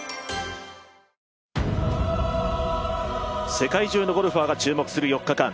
世界中のゴルファーが注目する４日間。